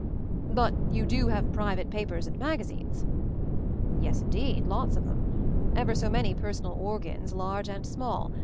"But you do have private papers and magazines ?" "Yes indeed, lots of them. Ever so many personal 'organs/ large and small.